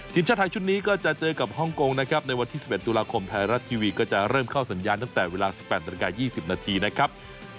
ทีมชาติไทยชุดนี้ก็จะเจอกับฮ่องกงนะครับในวันที่๑๑ตุลาคมไทยรัฐทีวีก็จะเริ่มเข้าสัญญาณตั้งแต่เวลา๑๘นาฬิกา๒๐นาทีนะครับ